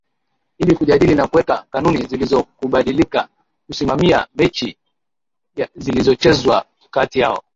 ili kujadili na kuweka kanuni zilizokubalika kusimamia mechi zilizochezwa kati yao